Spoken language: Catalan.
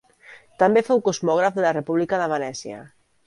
També fou cosmògraf de la República de Venècia.